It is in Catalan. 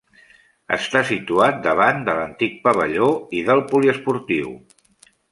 Està situat davant de l'antic pavelló i del poliesportiu.